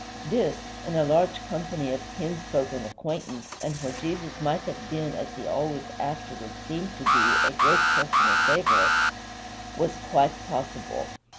This in a large company of kinsfolk and acquaintance, and where Jesus might have been, as he always afterward seemed to be, a great personal favorite was quite possible.